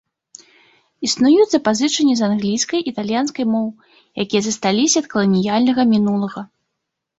Існуюць запазычанні з англійскай і італьянскай моў, якія засталіся ад каланіяльнага мінулага.